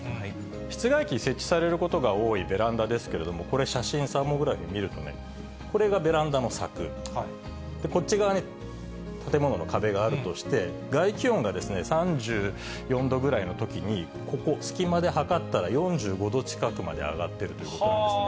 室外機設置されることが多いベランダですけれども、これ、写真、サーモグラフィーで見るとね、これがベランダの柵、こっち側に建物の壁があるとして、外気温が３４度ぐらいのときに、ここ、隙間で測ったら４５度近くまで上がってるということなんですね。